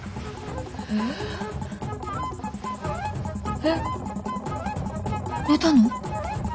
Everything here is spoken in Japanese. えっ寝たの？